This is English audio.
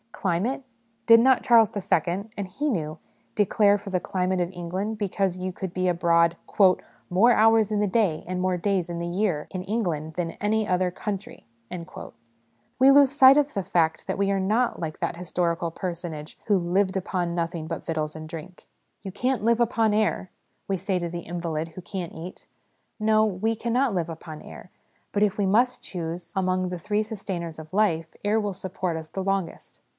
Climate? Did not Charles II. and he knew declare for the climate of England because you could be abroad " more hours in the day and more days in the year" in England than "in any other country"? We lose sight of the fact that we are not like that historical personage who " lived upon nothing but victuals and drink." "You can't 30 HOME EDUCATION live upon air !" we say to the invalid who can't eat. No ; we cannot live upon air ; but, if we must choose among the three sustain.ers of life, air will support us the longest.